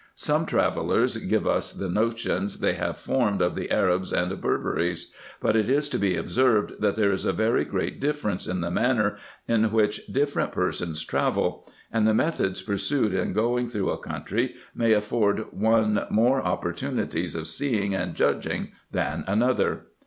Some travellers give us the notions they have formed of the p 2 10S RESEARCHES AND OPERATIONS Arabs and Berberys ; but it is to be observed, that there is a very great difference in the manner in which different persons travel ; and the methods pursued in going through a country may afford one more opportunities of seeing and judging than another.